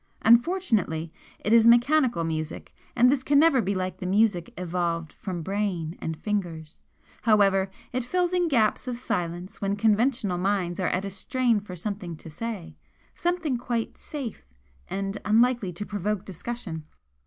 Unfortunately, it is mechanical music, and this can never be like the music evolved from brain and fingers; however, it fills in gaps of silence when conventional minds are at a strain for something to say something quite 'safe' and unlikely to provoke discussion!"